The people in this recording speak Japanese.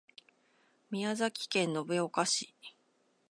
宮崎県延岡市